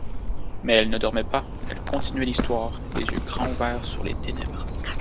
Mais elles ne dormaient pas, elles continuaient l'histoire, les yeux grands ouverts sur les ténèbres.